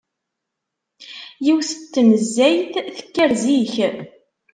Yiwet n tnezzayt tekker zik.